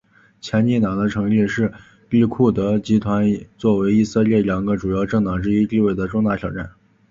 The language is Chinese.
前进党的成立是利库德集团作为以色列两个主要政党之一地位的重大挑战。